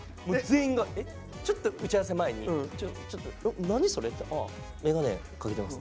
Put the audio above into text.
ちょっと打ち合わせ前に「何？それ」って言ったら「あメガネかけてます。